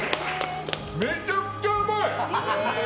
めちゃくちゃうまい！